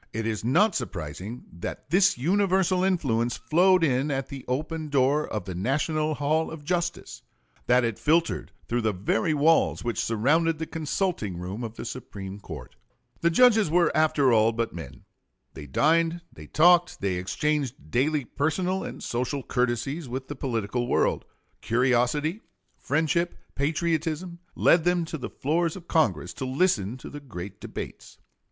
It is not surprising that this universal influence flowed in at the open door of the national hall of justice that it filtered through the very walls which surrounded the consulting room of the Supreme Court. Wayne, J., Opinion in the Dred Scott case, 19 Howard, pp. 454 5. The judges were, after all, but men. They dined, they talked, they exchanged daily personal and social courtesies with the political world. Curiosity, friendship, patriotism, led them to the floors of Congress to listen to the great debates.